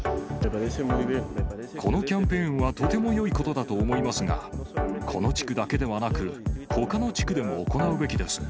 このキャンペーンはとてもよいことだと思いますが、この地区だけではなく、ほかの地区でも行うべきです。